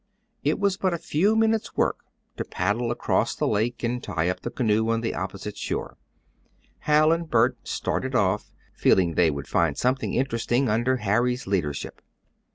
It was but a few minutes' work to paddle across the lake and tie up the canoe on the opposite shore. Hal and Bert started off, feeling they would find something interesting, under Harry's leadership.